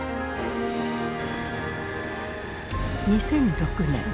２００６年。